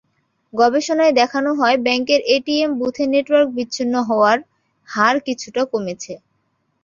গবেষণায় দেখানো হয়, ব্যাংকের এটিএম বুথে নেটওয়ার্ক বিচ্ছিন্ন হওয়ার হার কিছুটা কমেছে।